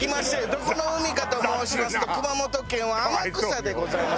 どこの海かと申しますと熊本県は天草でございます。